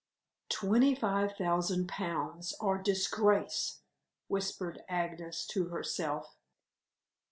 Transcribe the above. "Twenty five thousand pounds or disgrace," whispered Agnes to herself.